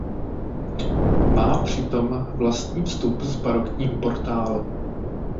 Má přitom vlastní vstup s barokním portálem.